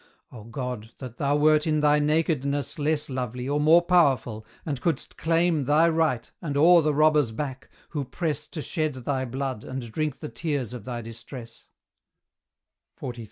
Oh God! that thou wert in thy nakedness Less lovely or more powerful, and couldst claim Thy right, and awe the robbers back, who press To shed thy blood, and drink the tears of thy distress; XLIII.